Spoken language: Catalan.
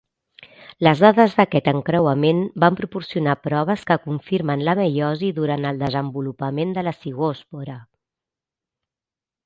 Les dades d'aquest encreuament van proporcionar proves que confirmen la meiosi durant el desenvolupament de la zigòspora.